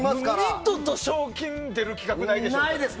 二度と賞金出る企画ないでしょうね。